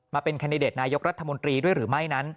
มาเป็นแคนดิเดตนายกรัฐมนตรีด้วยหรือไม่นั้น